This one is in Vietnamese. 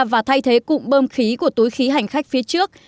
và thay thế cụm bơm khí của túi khí hành khách phía trước